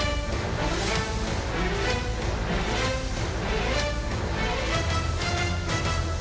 สวัสดีค่ะ